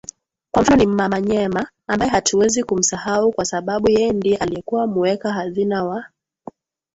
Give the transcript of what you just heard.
Kwa mfano ni mmanyema ambae hatuwezi kumsahau kwasababu yeye ndie aliyekuwa muweka hazina wa